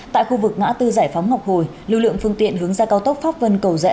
tại khu vực ngã tư giải phóng ngọc hồi lưu lượng phương tiện hướng ra cao tốc pháp vân cầu rẽ